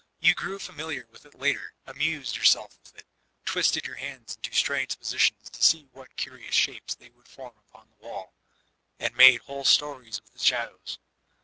You grew familiar with it later, amused yourself with it, twisted your hands into strange positions to see what curious shapes they would form upon the wall, and made whole stories with the shadows.